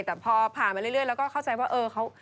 แต่พอผ่ามาเรื่อยแล้วก็เข้าใจว่า